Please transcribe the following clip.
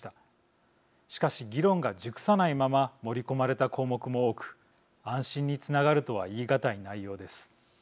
しかし議論が熟さないまま盛り込まれた項目も多く安心につながるとは言い難い内容です。